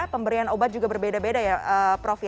pemberian obat juga berbeda beda ya prof ya